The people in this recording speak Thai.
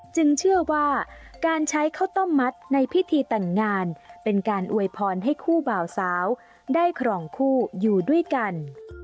เชื่อว่าการใช้ข้าวต้มมัดในพิธีแต่งงานเป็นการอวยพรให้คู่บ่าวสาวได้ครองคู่อยู่ด้วยกัน